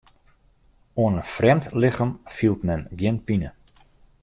Oan in frjemd lichem fielt men gjin pine.